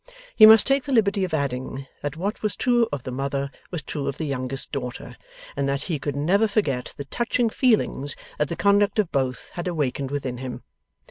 He must take the liberty of adding, that what was true of the mother was true of the youngest daughter, and that he could never forget the touching feelings that the conduct of both had awakened within him.